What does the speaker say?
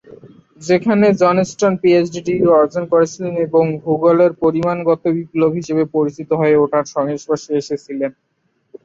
সেখানে Johnston PhD degree অর্জন করেছিলেন এবং ভূগোলের পরিমাণগত বিপ্লব হিসাবে পরিচিত হয়ে ওঠার সংস্পর্শে এসেছিলেন।